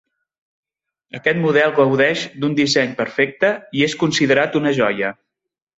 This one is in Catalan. Aquest model gaudeix d'un disseny perfecte i és considerat una joia.